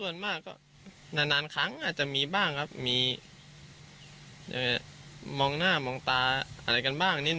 หมายความรู้สึกว่าไม่เชื่อเขาไปกำลังเที่ยวนี้